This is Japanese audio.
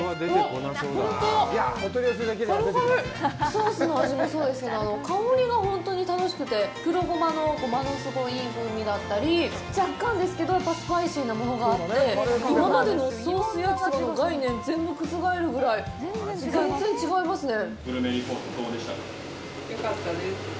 ソースの味もそうですけど、香りが本当に楽しくて、黒ゴマの、ゴマのすごいいい風味だったり、若干ですけど、スパイシーなものがあって、今までのソース焼きそばの概念全部覆るぐらい全然違いますね。